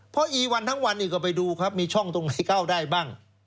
เพราะอีวันทั้งวันนี้ก็ไปดูครับมีช่องตรงไหนเข้าได้บ้าง